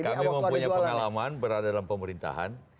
kami mempunyai pengalaman berada dalam pemerintahan